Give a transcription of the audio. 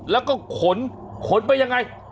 แล้วก็ขนขนไปยังไง